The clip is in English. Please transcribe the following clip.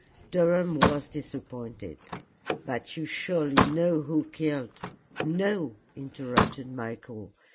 Durham was disappointed. "But you surely know who killed " "No," interrupted Michael.